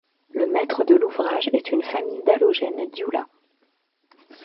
Le maître de l'ouvrage est une famille d'allogènes Dioula.